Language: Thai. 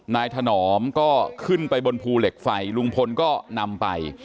ถนอมก็ขึ้นไปบนภูเหล็กไฟลุงพลก็นำไป